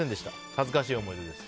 恥ずかしい思い出です。